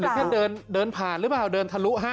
คุณแม่มีแฝงรึเปล่า